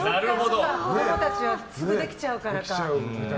子供たちはすぐできちゃうからか。